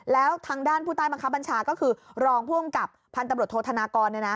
แล้วทางด้านผู้ใต้บังคับบัญชาก็คือรองผู้อำกับพันตำรวจโทษธนากร